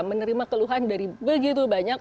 menerima keluhan dari begitu banyak